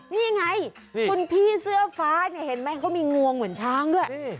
นี่ไงคุณพี่เสื้อฟ้าเนี่ยเห็นไหมเขามีงวงเหมือนช้างด้วย